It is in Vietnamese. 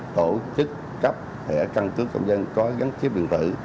tổ chức cấp thẻ cân cước công dân có gắn chiếc điện tử